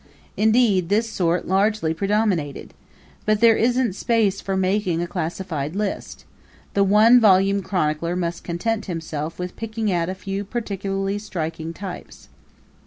Indeed this sort largely predominated. But there isn't space for making a classified list. The one volume chronicler must content himself with picking out a few particularly striking types.